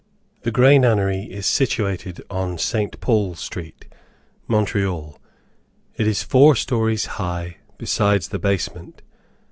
The Grey Nunnery is situated on St. Paul Street, Montreal. It is four stories high, besides the basement.